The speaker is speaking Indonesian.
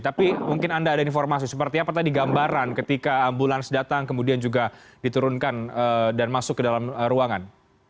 tapi mungkin anda ada informasi seperti apa tadi gambaran ketika ambulans datang kemudian juga diturunkan dan masuk ke dalam ruangan